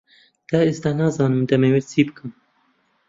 تا ئێستا نازانم دەمەوێت چی بکەم.